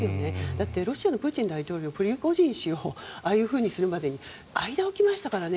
だって、ロシアのプーチン大統領プリゴジン氏をああいうふうにするまで間を置きましたからね。